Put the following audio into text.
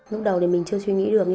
lúc đầu thì mình chưa suy nghĩ được